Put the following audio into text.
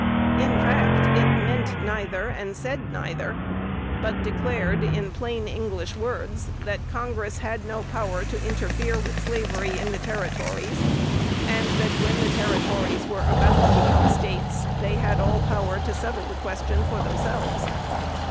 In fact, it meant neither, and said neither, but declared, in plain English words, that Congress had no power to interfere with slavery in the Territories; and that, when the Territories were about to become States, they had all power to settle the question for themselves.